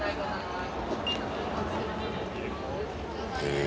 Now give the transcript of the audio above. へえ。